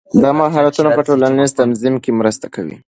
دا مهارتونه په ټولنیز تنظیم کې مرسته کوي.